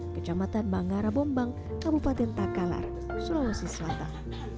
kejamatan bangara bombang kabupaten takalar sulawesi selatan